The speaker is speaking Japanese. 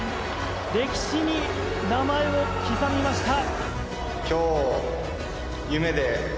歴史に名前を刻みました。